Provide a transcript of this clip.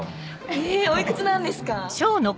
えおいくつなんですか？